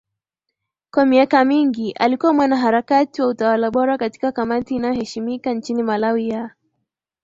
Kwa miaka mingi alikuwa mwanaharakati wa utawala bora katika kamati inayoheshimika nchini Malawi ya